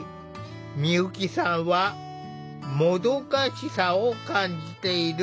美由紀さんはもどかしさを感じている。